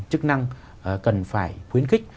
chức năng cần phải khuyến khích